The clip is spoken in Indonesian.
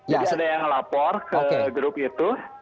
jadi ada yang lapor ke grup itu